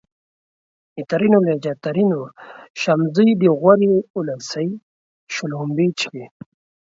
ترينو لهجه ! ترينو : شمزې دي غورې اولسۍ :شلومبې چښې